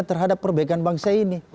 terhadap perbaikan bangsa ini